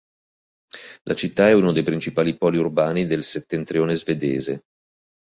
La città è uno dei principali poli urbani del settentrione svedese.